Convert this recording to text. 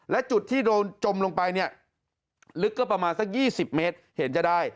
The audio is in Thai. และจุดที่โดนจมลงไปเนี่ยลึกก็ประมาณสัก๒๐เมตรเห็นจะได้